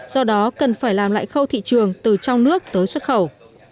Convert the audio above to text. do đó cần phải làm lại khâu thị trường từ trong nước tới xuất khẩu